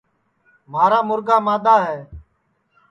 مھارا مُرگا مادؔا ہے